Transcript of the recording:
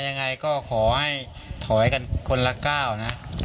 ยังไงก็ขอให้ถอยกันคนละก้าวนะ